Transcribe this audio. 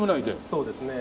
そうですね。